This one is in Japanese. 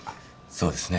そうですね。